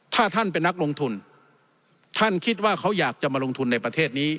ถ้าท่านเป็นนักลงทุนท่านคิดว่าเขาอยากจะมาลงทุนในประเทศนี้